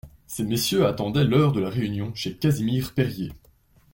Ces messieurs attendaient l'heure de la réunion chez Casimir Perier.